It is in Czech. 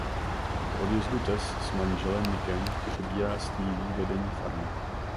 Po odjezdu Tess s manželem Nickem přebírá Stevie vedení farmy.